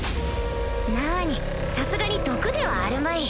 なぁにさすがに毒ではあるまい